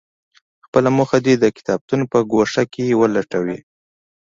خپله موخه دې د کتابتون په ګوښه کې ولټوي.